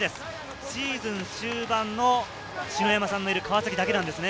シーズン終盤の篠山さんのいる川崎だけなんですよね。